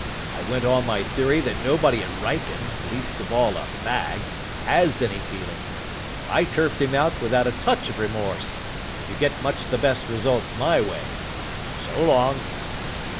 I went on my theory that nobody at Wrykyn, least of all a fag, has any feelings. I turfed him out without a touch of remorse. You get much the best results my way. So long."